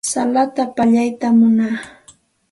Salata pallaytam munaa.